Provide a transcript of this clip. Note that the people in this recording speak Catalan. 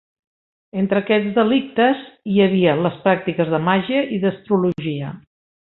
Entre aquests delictes hi havia les pràctiques de màgia i d'astrologia.